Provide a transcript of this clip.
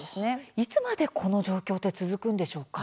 いつまでこういう状況が続くんでしょうか。